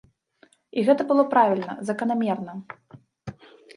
І гэта было правільна, заканамерна.